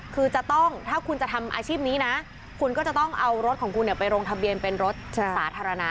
คือจะต้องถ้าคุณจะทำอาชีพนี้นะคุณก็จะต้องเอารถของคุณไปลงทะเบียนเป็นรถสาธารณะ